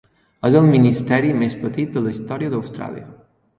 És el ministeri més petit de la història d'Austràlia.